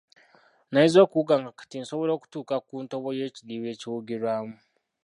Nayize okuwuga nga kati nsobola okutuuka ne ku ntobo y'ekidiba ekiwugirwamu.